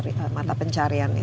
dari mana mendapatkan mata pencarian